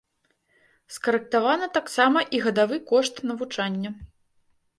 Скарэктаваны таксама і гадавы кошт навучання.